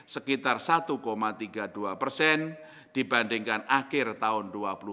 sekitar satu tiga puluh dua persen dibandingkan akhir tahun dua ribu dua puluh